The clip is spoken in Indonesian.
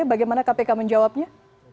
bagaimana kpk menjawabnya